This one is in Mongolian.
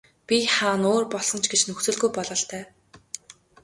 Бие хаа нь өөр болсон ч гэж нөхцөлгүй бололтой.